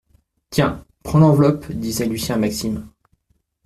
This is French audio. Tiens, prends l’enveloppe, disait Lucien à Maxime